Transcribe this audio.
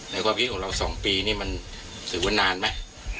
ความคิดของเรา๒ปีนี่มันถือว่านานไหม